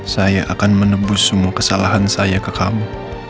saya akan menebus semua kesalahan saya ke kamu